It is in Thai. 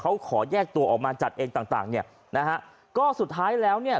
เขาขอแยกตัวออกมาจัดเองต่างต่างเนี่ยนะฮะก็สุดท้ายแล้วเนี่ย